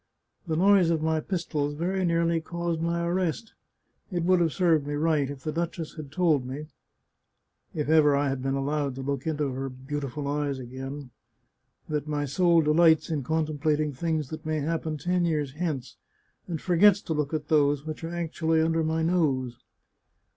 " The noise of my pistols very nearly caused my arrest. It would have served me right if the duchess had told me — if ever I had been allowed to look into her beau tiful eyes ag^in — that my soul delights in contemplating things that may happen ten years hence, and forgets to look at those which are actually under my nose."